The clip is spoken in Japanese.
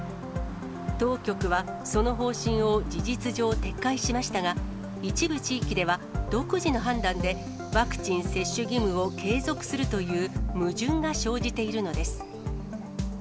当局は、その方針を事実上、撤回しましたが、一部地域では、独自の判断で、ワクチン接種義務を継続するという、矛盾が生じているのです。